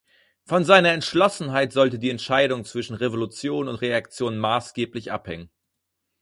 Von seiner Entschlossenheit sollte die Entscheidung zwischen Revolution und Reaktion maßgeblich abhängen.